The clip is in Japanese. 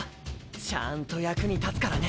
ちゃんと役に立つからね。